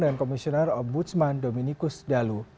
dengan komisioner ombudsman dominikus dalu